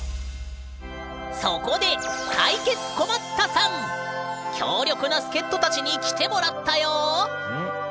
そこで強力な助っとたちに来てもらったよ！